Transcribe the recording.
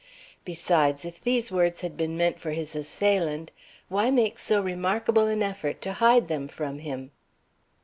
Besides, if these words had been meant for his assailant, why make so remarkable an effort to hide them from him?"